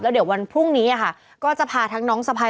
เดี๋ยววันพรุ่งนี้ค่ะก็จะพาทั้งน้องสะพาย